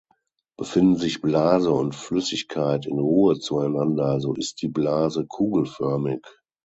Befinden sich Blase und Flüssigkeit in Ruhe zueinander, so ist die Blase kugelförmig.